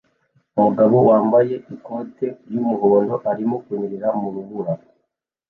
Umugabo wambaye ikoti ry'umuhondo arimo kunyerera mu rubura